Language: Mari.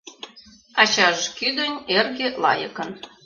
Ачаж кӱдынь эрге лайыкын